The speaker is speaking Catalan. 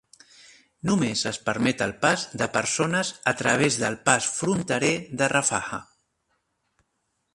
Només es permet el pas de persones a través del pas fronterer de Rafah.